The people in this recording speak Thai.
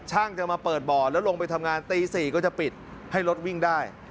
ช่างจะมาเปิดบ่อแล้วลงไปทำงานตี๔ก็จะปิดให้รถวิ่งได้